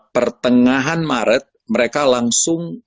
pertengahan maret mereka langsung